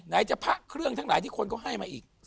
ไหนจะพระเครื่องทั้งหลายที่คนก็ให้มาอีก